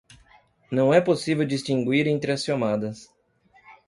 Não é possível distinguir entre as chamadas